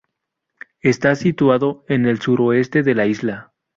Está situado en el suroeste de la isla.